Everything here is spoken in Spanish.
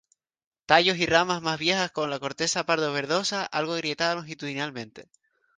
Tallos y ramas más viejas con corteza pardo verdosa, algo agrietada longitudinalmente.